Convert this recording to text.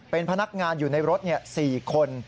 เป็นพนักงานอยู่ในรถ๔คน